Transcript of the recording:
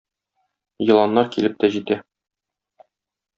Еланнар килеп тә җитә.